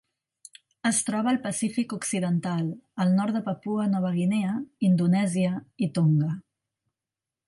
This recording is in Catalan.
Es troba al Pacífic occidental: el nord de Papua Nova Guinea, Indonèsia i Tonga.